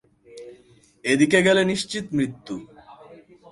এদিকে গেলে নিশ্চিত মৃত্যু!